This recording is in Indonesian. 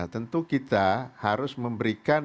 tentu kita harus memberikan